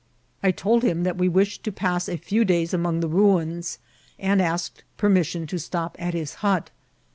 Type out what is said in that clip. I told him that we wished to pass a few days among the ruins, and asked permission to Btop at his hut.